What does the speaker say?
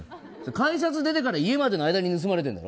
改札で手から家までの間に盗まれてるんだろ。